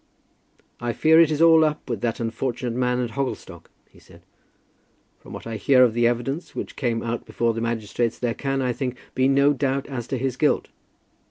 "I fear it is all up with that unfortunate man at Hogglestock," he said. "From what I hear of the evidence which came out before the magistrates, there can, I think, be no doubt as to his guilt.